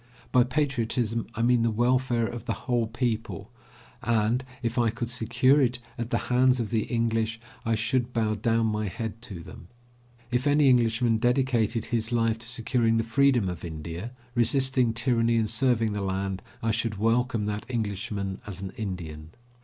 By patriotism I mean the welfare of the whole people, and, if I could secure it at the hands of the English, I should bow down my head to them. If any Englishman dedicated his life to securing the freedom of India, resisting tyranny and serving the land, I should welcome that Englishman as an Indian.